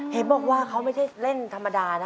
เห็นบอกว่าเขาไม่ใช่เล่นธรรมดานะ